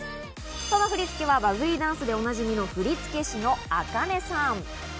その振り付けはバブリーダンスでおなじみの振付師のａｋａｎｅさん。